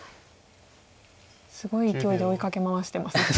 すごいいきおいで追いかけ回してますね。